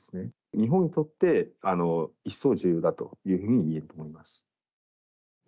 日本にとって一層重要だというふうにいえると思います。